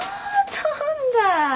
飛んだ！